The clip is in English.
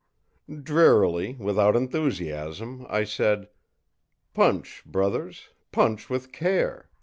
î Drearily, without enthusiasm, I said: ìPunch brothers, punch with care!